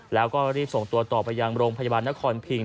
แล้วก็รีบส่งตัวต่อไปยังโรงพยาบาลนครพิง